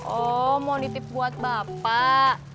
oh mau nitip buat bapak